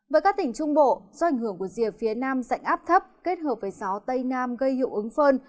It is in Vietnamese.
với các tỉnh trung bộ do ảnh hưởng của rìa phía nam dạnh áp thấp kết hợp với gió tây nam gây hiệu ứng phơn